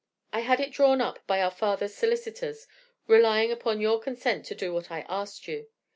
I had it drawn up by our father's solicitors, relying upon your consent to do what I asked you.